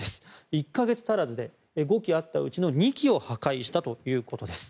１か月足らずで５基あったうちの２基を破壊したということです。